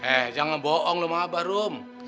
hei jangan bohong lu sama abah rum